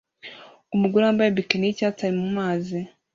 Umugore wambaye bikini yicyatsi ari mumazi